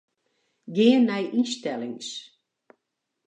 Gean nei ynstellings.